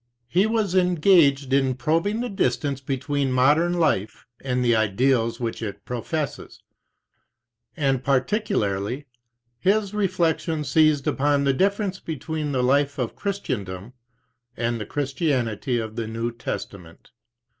He was engaged in probing the distance between modern life and the ideals which it professes; and particularly, his reflection seized upon the 37 difference between the life of Christendom and the Christianity of the New Testament.